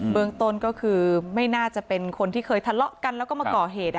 เมืองต้นก็คือไม่น่าจะเป็นคนที่เคยทะเลาะกันแล้วก็มาก่อเหตุ